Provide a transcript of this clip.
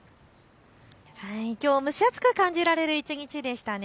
きょう、蒸し暑く感じられる一日でしたね。